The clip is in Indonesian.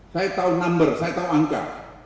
saya tahu number saya tahu angka